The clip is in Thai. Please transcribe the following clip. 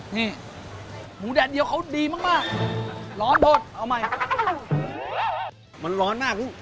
นี่หมูแดดเดียวเขาดีมากร้อนบดเอาใหม่มันร้อนมากลูก